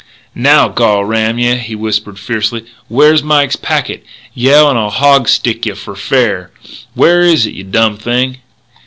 "Now, gol ram yeh!" he whispered fiercely, "where's Mike's packet? Yell, and I'll hog stick yeh fur fair! Where is it, you dum thing!"